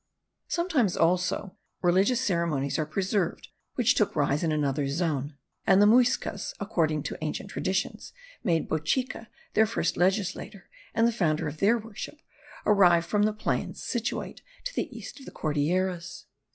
Sometimes, also, religious ceremonies are preserved which took rise in another zone; and the Muyscas, according to ancient traditions, made Bochica, their first legislator and the founder of their worship, arrive from the plains situate to the east of the Cordilleras.